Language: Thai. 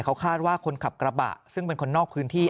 เขาคาดว่าคนขับกระบะซึ่งเป็นคนนอกพื้นที่